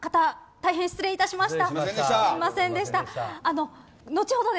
大変、失礼いたしました。